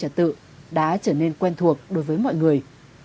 những người trả tự đã trở nên quen thuộc đối với mọi người